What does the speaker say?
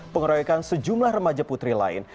pengeroyokan sejumlah remaja putri lain